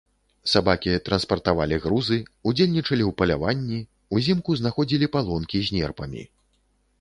Сабакі транспартавалі грузы, удзельнічалі ў паляванні, узімку знаходзілі палонкі з нерпамі.